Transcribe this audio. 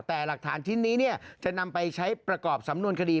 แต่หลักฐานชิ้นนี้จะนำไปใช้ประกอบสำนวนคดี